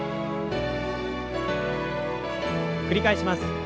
繰り返します。